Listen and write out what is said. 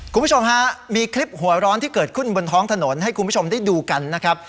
คุณผู้ชมฮะมีคลิปหัวร้อนที่เกิดขึ้นบนท้องถนนให้คุณผู้ชมได้ดูกันนะครับ